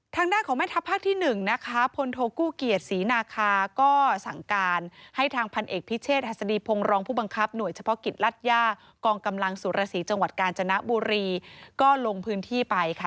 ทางด้านของแม่ทัพภาคที่๑นะคะ